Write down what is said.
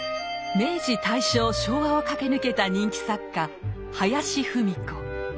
明治・大正・昭和を駆け抜けた人気作家林芙美子。